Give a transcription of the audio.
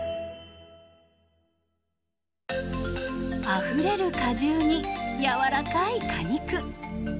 あふれる果汁に軟らかい果肉。